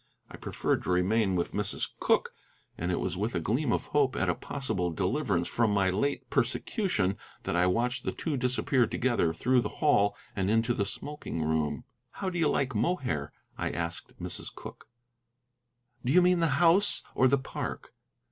I preferred to remain with Mrs. Cooke, and it was with a gleam of hope at a possible deliverance from my late persecution that I watched the two disappear together through the hall and into the smoking room. "How do you like Mohair?" I asked Mrs. Cooke. "Do you mean the house or the park?"